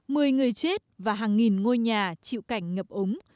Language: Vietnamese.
mười người chết và hàng nghìn ngôi nhà chịu cảnh ngập úng